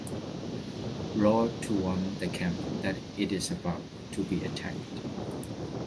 Raw to warn the camp that it is about to be attacked.